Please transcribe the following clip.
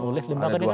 oleh lembaga negara